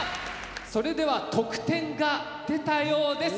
それでは得点が出たようです！